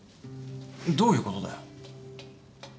どういうことだよ？